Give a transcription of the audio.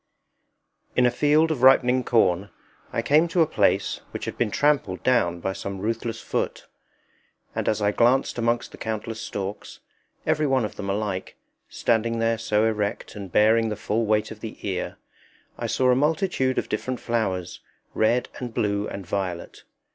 In a field of ripening corn I came to a place which had been trampled down by some ruthless foot; and as I glanced amongst the countless stalks, every one of them alike, standing there so erect and bearing the full weight of the ear, I saw a multitude of different flowers, red and blue and violet.